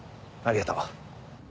ありがとう。